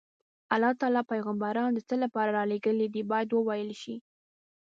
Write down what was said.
الله تعالی پیغمبران د څه لپاره رالېږلي دي باید وویل شي.